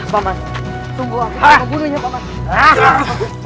pak man tunggu aku bunuhnya pak man